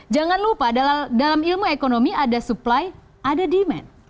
jangan lupa dalam ilmu ekonomi ada supply ada demand